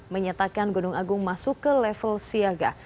menyatakan gunung agung masuk ke level siaga